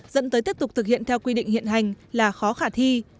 dẫn tới tiếp tục thực hiện theo quy định hiện hành là khó khả thi